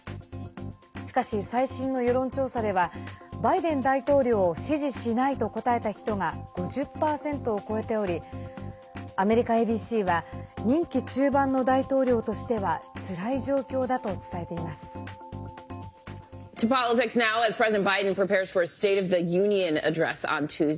しかし最新の世論調査ではバイデン大統領を支持しないと答えた人が５０％を超えておりアメリカＡＢＣは任期中盤の大統領としてはつらい状況だと伝えています。